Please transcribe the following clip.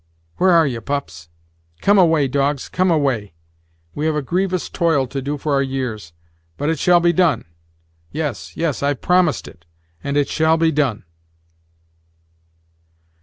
Where are ye, pups? come away, dogs, come away! we have a grievous toil to do for our years, but it shall be done yes, yes, I've promised it, and it shall be done!"